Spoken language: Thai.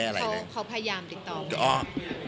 เขาพยายามติดต่อบอก